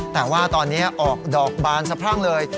แต่ว่าตอนนี้ออกดอกบานสะพรั่งเลย